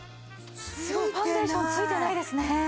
ファンデーションついてないですね！